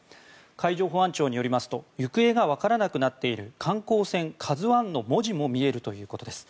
海上保安庁によりますと行方が分からなくなっている観光船「ＫＡＺＵ１」の文字も見えるということです。